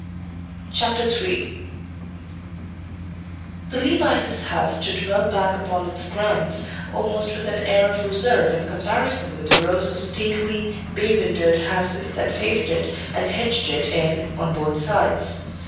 Chapter III The Levices' house stood well back upon its grounds, almost with an air of reserve in comparison with the rows of stately, bay windowed houses that faced it and hedged it in on both sides.